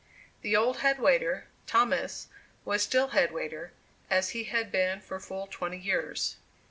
The old head waiter, Thomas, was still head waiter, as he had been for full twenty years.